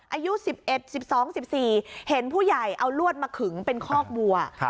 อายุ๑๑๑๒๑๔เห็นผู้ใหญ่เอาลวดมาขึงเป็นคอกวัว